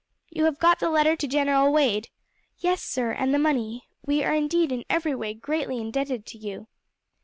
You have got the letter to General Wade?" "Yes, sir, and the money; we are indeed in every way greatly indebted to you."